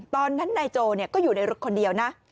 ตอนนั้นนายโจก็อยู่ในรถคนเดียวนะ